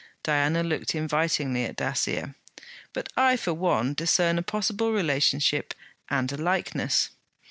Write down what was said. Diana looked invitingly at Dacier. 'But I for one discern a possible relationship and a likeness.'